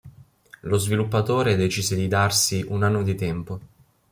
Lo sviluppatore decise di darsi un anno di tempo.